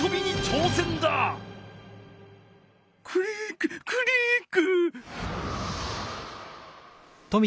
クリッククリック。